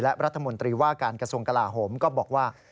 และรัฐมนตรีว่าการกระทรวงกลาโหมก็บอกว่า